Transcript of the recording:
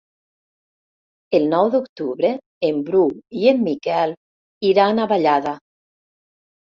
El nou d'octubre en Bru i en Miquel iran a Vallada.